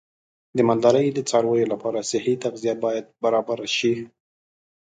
د مالدارۍ د څارویو لپاره صحي تغذیه باید برابر شي.